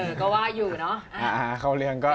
ก็ว่าอยู่เนอะ